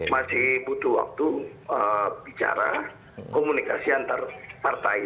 masih butuh waktu bicara komunikasi antar partai